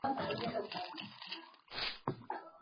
serengeti ilitumika kama jukwaa la kutengeneza filamu